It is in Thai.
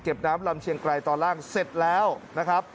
น้ำลำเชียงไกรตอนล่างเสร็จแล้วนะครับ